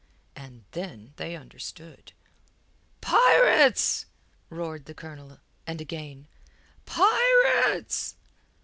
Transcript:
And then they understood. "Pirates!" roared the Colonel, and again, "Pirates!"